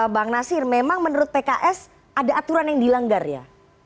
bang nasir memang menurut pks ada aturan yang dilanggar ya